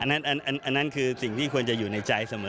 อันนั้นคือสิ่งที่ควรจะอยู่ในใจเสมอ